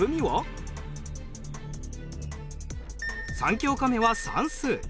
３教科目は算数。